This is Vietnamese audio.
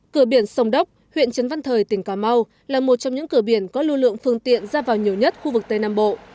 cửa biển sông đốc huyện trấn văn thời tỉnh cà mau là một trong những cửa biển có lưu lượng phương tiện ra vào nhiều nhất khu vực tây nam bộ